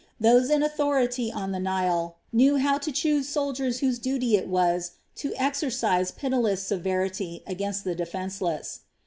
Those in authority on the Nile knew how to choose soldiers whose duty it was to exercise pitiless severity against the defenceless.